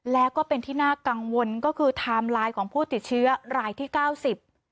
แล้วก็เป็นที่น่ากังวลก็คือไทม์ไลน์ของผู้ติดเชื้อรายที่เก้าสิบ